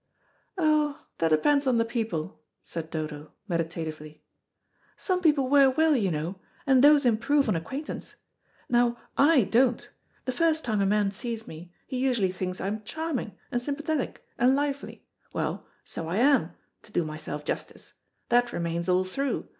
"Oh, that depends on the people," said Dodo, meditatively. "Some people wear well, you know, and those improve on acquaintance. Now I don't. The first time a man sees me, he usually thinks I'm charming, and sympathetic, and lively. Well, so I am, to do myself justice. That remains all through.